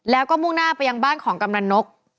แล้วก็มุ่งหน้าไปยังบ้านของกำลังนก